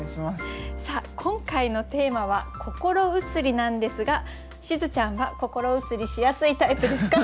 さあ今回のテーマは「心移り」なんですがしずちゃんは心移りしやすいタイプですか？